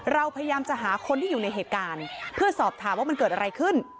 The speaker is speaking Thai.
เราพยายามจะหาคนที่อยู่ในเหตุการณ์เพื่อสอบถามว่ามันเกิดอะไรขึ้น